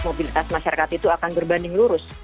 mobilitas masyarakat itu akan berbanding lurus